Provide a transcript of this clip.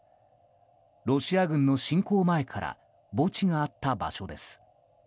ロシア軍の侵攻前から墓地があった場所です。